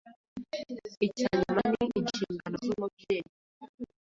Icya nyuma ni inshingano z’umubyeyi